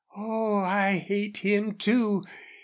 Oh, I hate him, too!